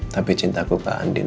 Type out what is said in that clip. tapi cintaku ke andin